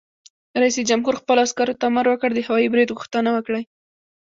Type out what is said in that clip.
رئیس جمهور خپلو عسکرو ته امر وکړ؛ د هوايي برید غوښتنه وکړئ!